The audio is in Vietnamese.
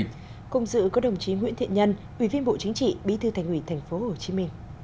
cùng dự có đồng chí nguyễn thiện nhân ủy viên bộ chính trị bí thư thành ủy tp hcm